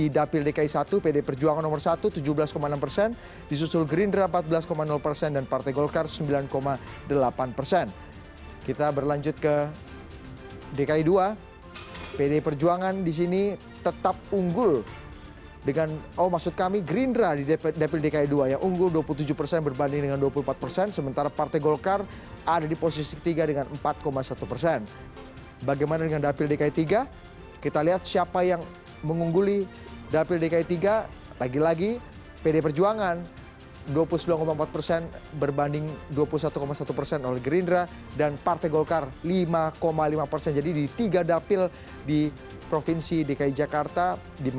dan juga kampanye hitam